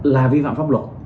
là vi phạm pháp luật